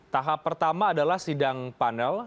tahap pertama adalah sidang panel